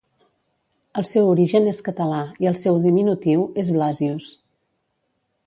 El seu origen és català i el seu diminutiu és Blasius.